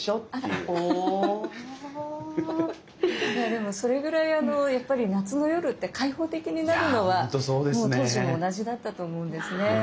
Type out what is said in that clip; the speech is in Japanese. でもそれぐらいやっぱり夏の夜って開放的になるのはもう当時も同じだったと思うんですね。